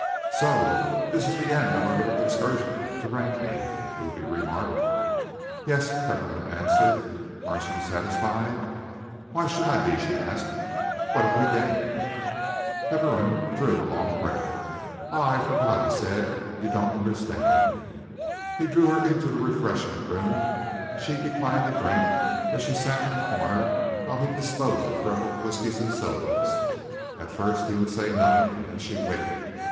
"So this is the end of our little excursion to Rakney," Ruby remarked. "Yes!" Hefferom answered. "Aren't you satisfied?" "Why should I be?" she asked. "What have we gained?" Hefferom drew a long breath. "Ah, I forgot!" he said. "You don't understand." He drew her into the refreshment room. She declined to drink, but she sat in a corner while he disposed of several whiskies and sodas. At first he would say nothing, and she waited.